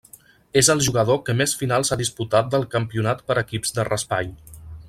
És el jugador que més finals ha disputat del Campionat per equips de raspall.